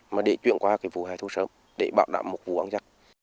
mà để chuyển qua cái vụ hài thú sớm để bảo đảm một vụ ăn chắc